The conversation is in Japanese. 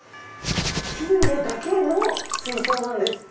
金魚だけの水槽なんですって。